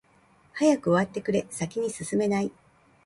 早く終わってくれ、先に進めない。